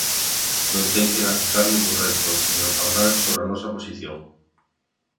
Non ten que lanzar ningún reto, señor Pardal, sobre a nosa posición.